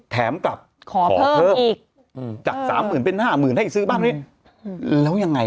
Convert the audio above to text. แถมกับขอเพิ่มขอเพิ่มอีกจาก๓๐๐๐๐เป็น๕๐๐๐๐ให้ซื้อบ้านตรงนี้แล้วยังไง